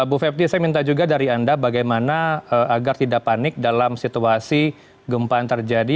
bu fepti saya minta juga dari anda bagaimana agar tidak panik dalam situasi gempa yang terjadi